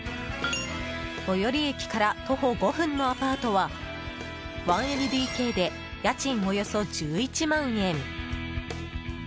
最寄り駅から徒歩５分のアパートは１ＬＤＫで、家賃およそ１１万円。